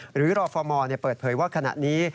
หรือรฟมเปิดเผยว่าขณะนี้